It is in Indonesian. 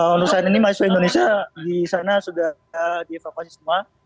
untuk saat ini mas yudha indonesia di sana sudah di evakuasi semua